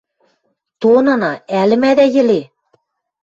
– Тонына... ӓлӹмӓдӓ йӹле!..